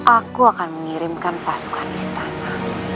aku akan mengirimkan pasukan istana